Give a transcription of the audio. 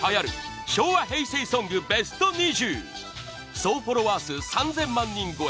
総フォロワー数３０００万人超え！